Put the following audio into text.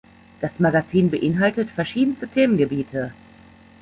Das Magazin beinhaltet verschiedenste Themengebiete.